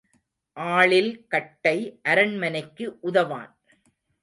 ஆளில் கட்டை அரண்மனைக்கு உதவான்.